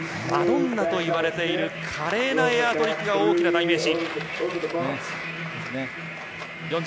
マドンナといわれている華麗なエアトリックが大きな代名詞。